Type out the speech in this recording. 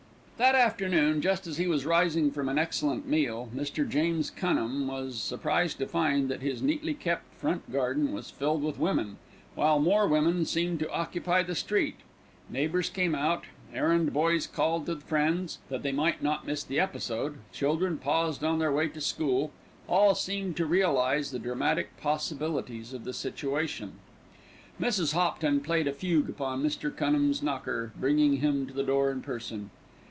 That afternoon, just as he was rising from an excellent meal, Mr. James Cunham was surprised to find that his neatly kept front garden was filled with women, while more women seemed to occupy the street. Neighbours came out, errand boys called to friends, that they might not miss the episode, children paused on their way to school; all seemed to realise the dramatic possibilities of the situation. Mrs. Hopton played a fugue upon Mr. Cunham's knocker, bringing him to the door in person.